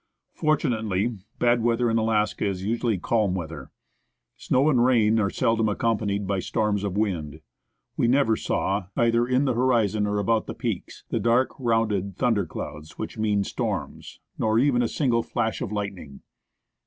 Fortunately, bad weather in Alaska is usually calm weather. Snow and rain are seldom accompanied by storms of wind. We never saw, either in the horizon or about the peaks, the dark, rounded thunder clouds which mean storms/ nor even a single flash of lightning.